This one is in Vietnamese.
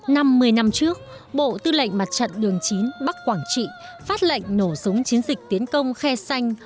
năm mươi năm trước bộ tư lệnh mặt trận đường chín bắc quảng trị phát lệnh nổ súng chiến dịch tiến công khe xanh